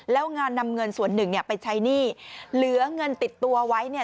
แล้วงานนำเงินส่วนหนึ่งเนี่ยไปใช้หนี้เหลือเงินติดตัวไว้เนี่ย